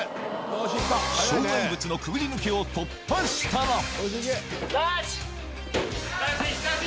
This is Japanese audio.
障害物のくぐり抜けを突破したらタッチ！